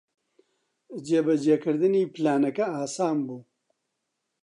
جێبەجێکردنی پلانەکە ئاسان بوو.